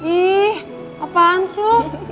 ih apaan su